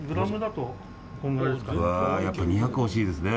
やっぱ２００欲しいですね。